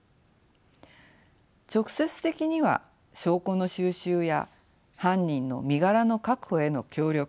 直接的には証拠の収集や犯人の身柄の確保への協力